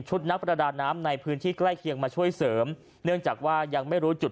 นักประดาน้ำในพื้นที่ใกล้เคียงมาช่วยเสริมเนื่องจากว่ายังไม่รู้จุด